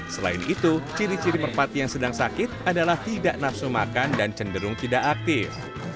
selain itu ciri ciri merpati yang sedang sakit adalah tidak nafsu makan dan cenderung tidak aktif